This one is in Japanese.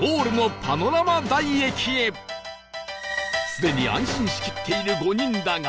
すでに安心しきっている５人だが